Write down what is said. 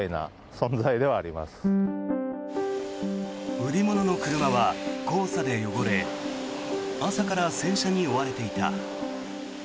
売り物の車は黄砂で汚れ朝から洗車に追われていた。